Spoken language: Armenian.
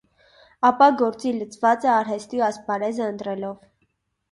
Ապա գործի լծուած է արհեստի ասպարէզը ընտրելով։